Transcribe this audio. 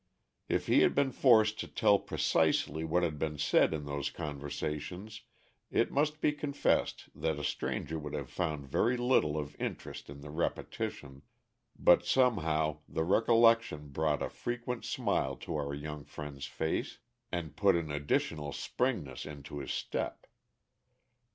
If he had been forced to tell precisely what had been said in those conversations, it must be confessed that a stranger would have found very little of interest in the repetition, but somehow the recollection brought a frequent smile to our young friend's face and put an additional springiness into his step.